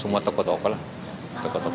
masuk ke pak prabowo pak